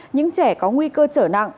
những trẻ có nguy cơ trở nặng